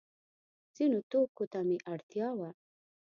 ځینو توکو ته مې اړتیا وه.